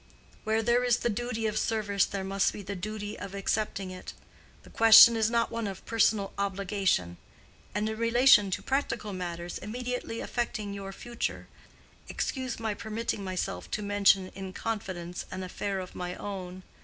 "Where there is the duty of service there must be the duty of accepting it. The question is not one of personal obligation. And in relation to practical matters immediately affecting your future—excuse my permitting myself to mention in confidence an affair of my own.